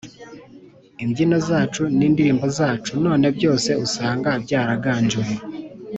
imbyino zacu, n’indirimbo zacu none byose usanga byaraganjwe